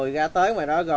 gọi đi đường